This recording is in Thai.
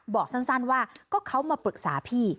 บอกสั้นว่าก็เขามาปรึกษาพี่